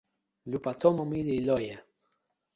lupa tomo mi li loje.